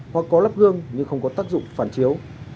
hoặc có lắp gương nhưng không có tác dụng phản chiếu